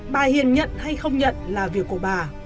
bà hiền nhận hay không nhận là việc của bà